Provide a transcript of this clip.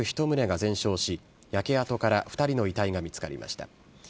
１棟が全焼し焼け跡から２人の遺体が見つかりました。